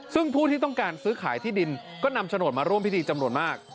ซึ่งผู้ที่ต้องการซื้อขายที่ดินก็นำโฉนดมาร่วมพิธีจำนวนมาก